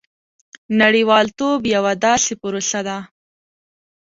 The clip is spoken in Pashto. • نړیوالتوب یوه داسې پروسه ده.